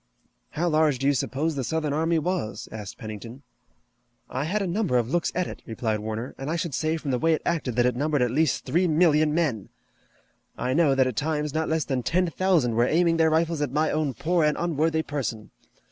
"How large do you suppose the Southern army was?" asked Pennington. "I had a number of looks at it," replied Warner, "and I should say from the way it acted that it numbered at least three million men. I know that at times not less than ten thousand were aiming their rifles at my own poor and unworthy person.